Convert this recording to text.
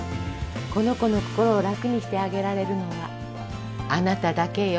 この子の心を、楽にしてあげられるのは、あなただけよ。